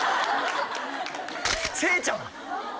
せーちゃん！